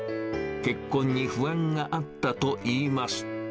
結婚に不安があったといいます。